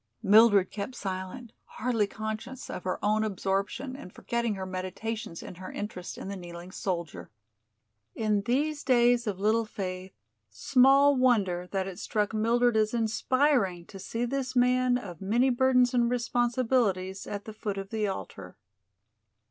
Mildred kept silent, hardly conscious of her own absorption and forgetting her meditations in her interest in the kneeling soldier. In these days of little faith, small wonder that it struck Mildred as inspiring to see this man of many burdens and responsibilities at the foot of the altar.